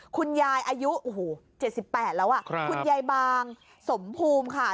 คุณยายอายุ๗๘แล้วคุณยายบางสมภูมิค่ะ